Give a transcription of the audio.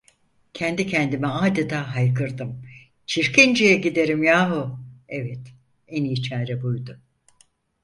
Kendi kendime adeta haykırdım: "Çirkince'ye giderim yahu!" Evet, en iyi çare buydu.